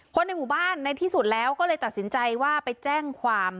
ในหมู่บ้านในที่สุดแล้วก็เลยตัดสินใจว่าไปแจ้งความ